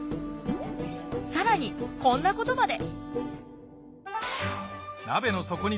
更にこんなことまで。